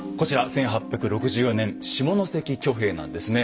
１８６４年「下関挙兵」なんですね。